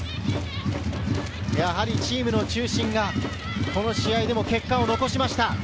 やはりチームの中心がこの試合でも結果を残しました。